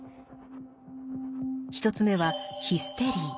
１つ目は「ヒステリー」。